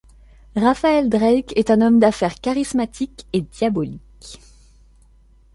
Raphaël Drake est un homme d'affaires charismatique et diabolique.